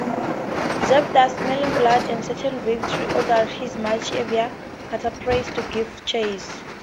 Zabdas, smelling blood and certain victory, ordered his much heavier cataphracts to give chase.